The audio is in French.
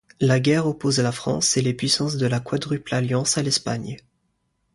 La guerre oppose la France et les puissances de la Quadruple-Alliance à l'Espagne.